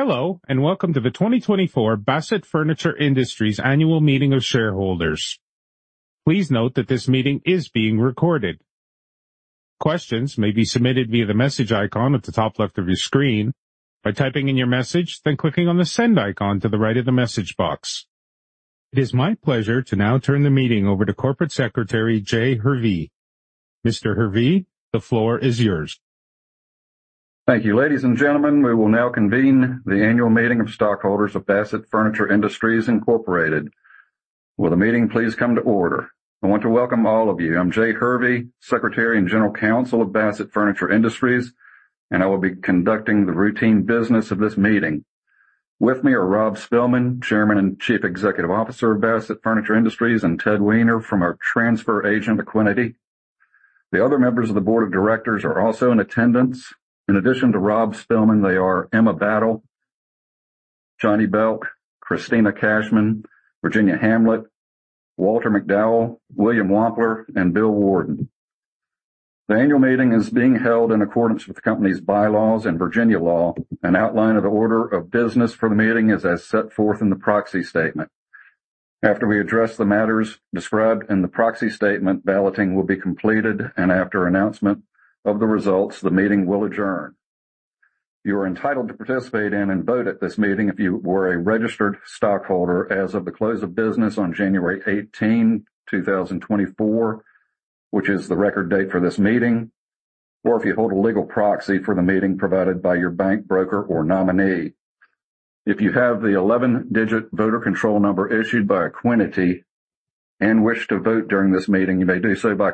Hello, and welcome to the 2024 Bassett Furniture Industries Annual Meeting of Shareholders. Please note that this meeting is being recorded. Questions may be submitted via the message icon at the top left of your screen by typing in your message, then clicking on the send icon to the right of the message box. It is my pleasure to now turn the meeting over to Corporate Secretary, Jay Hervey. Mr. Hervey, the floor is yours. Thank you. Ladies and gentlemen, we will now convene the annual meeting of stockholders of Bassett Furniture Industries Incorporated. Will the meeting please come to order? I want to welcome all of you. I'm Jay Hervey, Secretary and General Counsel of Bassett Furniture Industries, and I will be conducting the routine business of this meeting. With me are Rob Spilman, Chairman and Chief Executive Officer of Bassett Furniture Industries, and Ted Weiner from our transfer agent, Equiniti. The other members of the board of directors are also in attendance. In addition to Rob Spilman, they are Emma Battle, Johnny Belk, Kristina Cashman, Virginia Hamlet, Walter McDowell, William Wampler, and Bill Warden. The annual meeting is being held in accordance with the company's bylaws and Virginia law. An outline of the order of business for the meeting is as set forth in the proxy statement. After we address the matters described in the proxy statement, balloting will be completed, and after announcement of the results, the meeting will adjourn. You are entitled to participate in and vote at this meeting if you were a registered stockholder as of the close of business on January 18, 2024, which is the record date for this meeting, or if you hold a legal proxy for the meeting provided by your bank, broker, or nominee. If you have the 11-digit voter control number issued by Equiniti and wish to vote during this meeting, you may do so by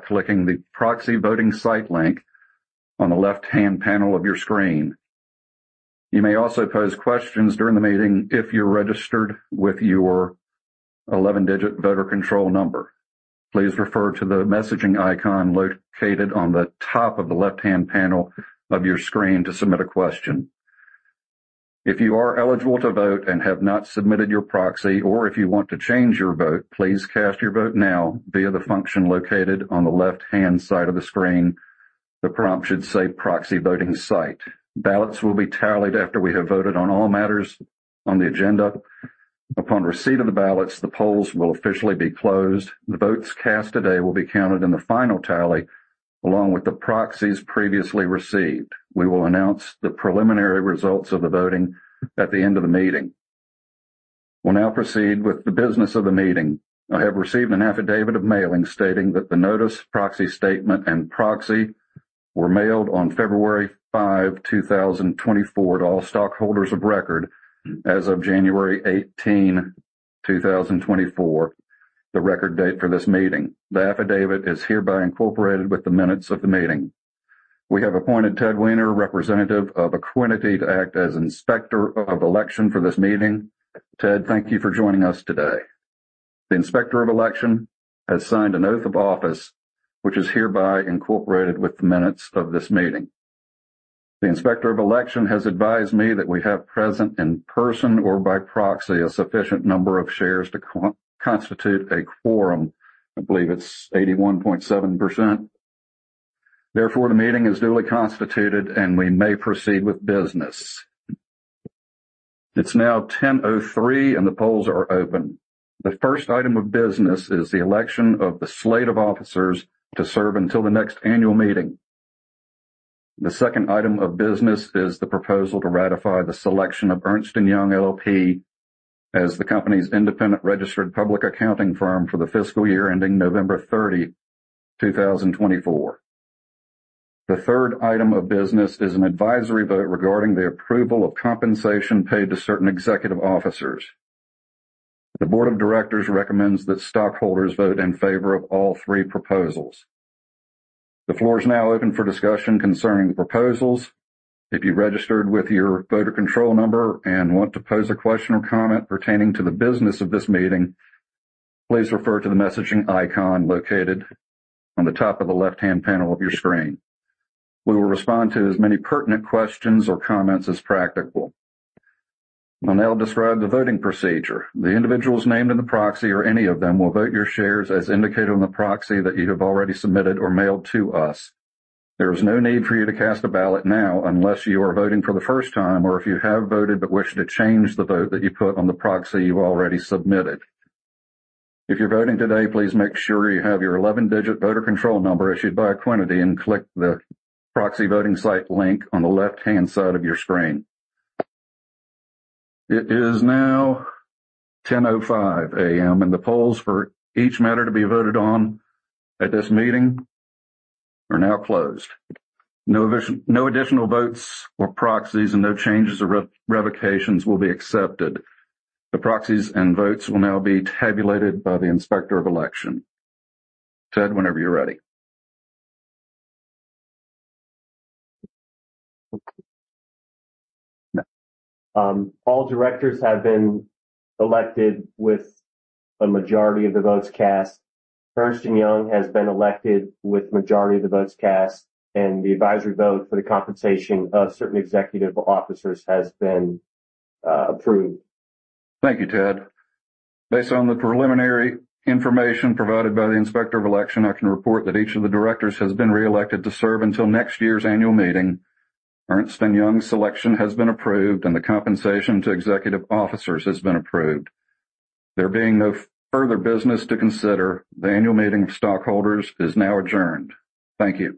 clicking the proxy voting site link on the left-hand panel of your screen. You may also pose questions during the meeting if you're registered with your 11-digit voter control number. Please refer to the messaging icon located on the top of the left-hand panel of your screen to submit a question. If you are eligible to vote and have not submitted your proxy, or if you want to change your vote, please cast your vote now via the function located on the left-hand side of the screen. The prompt should say, "Proxy voting site." Ballots will be tallied after we have voted on all matters on the agenda. Upon receipt of the ballots, the polls will officially be closed. The votes cast today will be counted in the final tally, along with the proxies previously received. We will announce the preliminary results of the voting at the end of the meeting. We'll now proceed with the business of the meeting. I have received an affidavit of mailing, stating that the notice, proxy statement, and proxy were mailed on February 5, 2024, to all stockholders of record as of January 18, 2024, the record date for this meeting. The affidavit is hereby incorporated with the minutes of the meeting. We have appointed Ted Weiner, representative of Aquinity, to act as Inspector of Election for this meeting. Ted, thank you for joining us today. The Inspector of Election has signed an oath of office, which is hereby incorporated with the minutes of this meeting. The Inspector of Election has advised me that we have present in person or by proxy, a sufficient number of shares to constitute a quorum. I believe it's 81.7%. Therefore, the meeting is duly constituted, and we may proceed with business. It's now 10:03, and the polls are open. The first item of business is the election of the slate of officers to serve until the next annual meeting. The second item of business is the proposal to ratify the selection of Ernst & Young LLP as the company's independent registered public accounting firm for the fiscal year ending November 30, 2024. The third item of business is an advisory vote regarding the approval of compensation paid to certain executive officers. The board of directors recommends that stockholders vote in favor of all three proposals. The floor is now open for discussion concerning the proposals. If you registered with your voter control number and want to pose a question or comment pertaining to the business of this meeting, please refer to the messaging icon located on the top of the left-hand panel of your screen. We will respond to as many pertinent questions or comments as practical. I'll now describe the voting procedure. The individuals named in the proxy or any of them, will vote your shares as indicated on the proxy that you have already submitted or mailed to us. There is no need for you to cast a ballot now unless you are voting for the first time or if you have voted but wish to change the vote that you put on the proxy you've already submitted. If you're voting today, please make sure you have your 11-digit voter control number issued by Aquinity and click the proxy voting site link on the left-hand side of your screen. It is now 10:00 A.M., and the polls for each matter to be voted on at this meeting are now closed. No additional votes or proxies and no changes or revocations will be accepted. The proxies and votes will now be tabulated by the Inspector of Election. Ted, whenever you're ready. All directors have been elected with a majority of the votes cast. Ernst & Young has been elected with majority of the votes cast, and the advisory vote for the compensation of certain executive officers has been approved. Thank you, Ted. Based on the preliminary information provided by the Inspector of Election, I can report that each of the directors has been reelected to serve until next year's annual meeting. Ernst & Young's selection has been approved, and the compensation to executive officers has been approved. There being no further business to consider, the annual meeting of stockholders is now adjourned. Thank you.